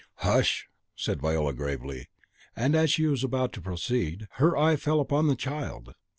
"Hush!" said Viola, gravely. And as she was about to proceed, her eye fell upon the child.